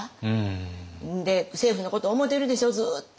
政府のこと思うてるでしょうずっと。